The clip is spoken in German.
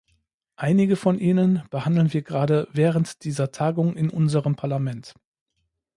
Einige von ihnen behandeln wir gerade während dieser Tagung in unserem Parlament.